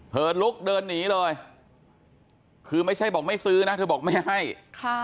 ลุกเดินหนีเลยคือไม่ใช่บอกไม่ซื้อนะเธอบอกไม่ให้ค่ะ